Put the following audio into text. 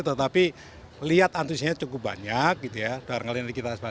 tetapi lihat antusinya cukup banyak